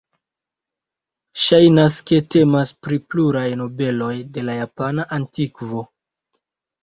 Ŝajnas ke temas pri pluraj nobeloj de la japana antikvo.